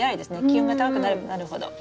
気温が高くなればなるほど。